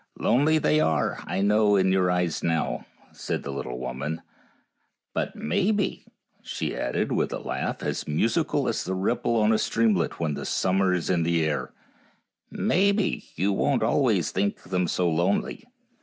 Lonely they are, I know, in your eyes now," said the little woman ;" but maybe," she added, with a laugh as musical as the ripple on a streamlet when summer is in the air, " maybe you won't always think them so lonely."